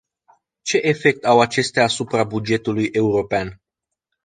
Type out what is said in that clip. Ce efect au acestea asupra bugetului european?